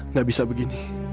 nggak bisa begini